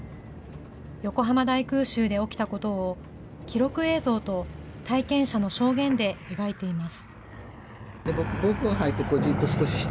横浜大空襲で起きたことを、記録映像と体験者の証言で描いています。